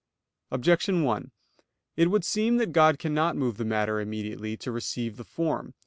Objection 1: It would seem that God cannot move the matter immediately to receive the form.